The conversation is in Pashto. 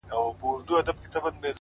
په سپورږمۍ كي زمــــــــــا زړه دى،